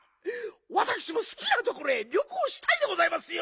わたくしもすきなところへりょこうしたいでございますよ。